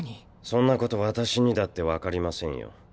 そんなこと私にだって分かりませんよ。